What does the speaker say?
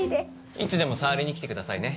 いつでも触りに来てくださいね。